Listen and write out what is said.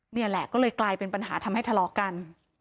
นี่แหละก็เลยกลายเป็นปัญหาทำให้ทะเลาะกัน